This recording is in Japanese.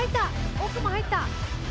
奥も入った！